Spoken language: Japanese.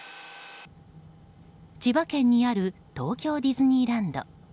千葉県にある東京ディズニーランド。